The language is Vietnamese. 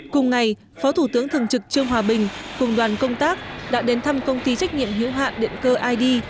cùng ngày phó thủ tướng thường trực trương hòa bình cùng đoàn công tác đã đến thăm công ty trách nhiệm hữu hạn điện cơ id